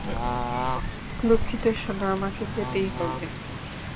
দুঃখিত সোনা, আমাকে যেতেই হবে!